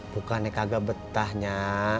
bukan dia kagak betah nya